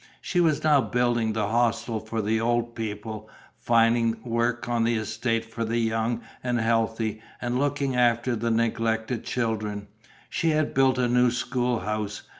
She was now building the hostel for the old people, finding work on the estate for the young and healthy and looking after the neglected children; she had built a new school house.